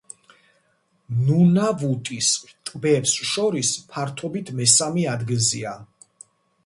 ნუნავუტის ტბებს შორის ფართობით მესამე ადგილზეა.